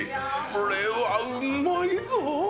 これはうまいぞー。